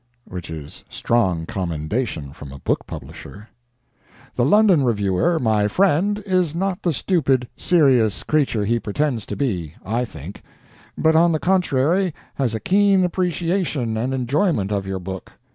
(Which is strong commendation from a book publisher.) The London Reviewer, my friend, is not the stupid, "serious" creature he pretends to be, I think; but, on the contrary, has a keen appreciation and enjoyment of your book.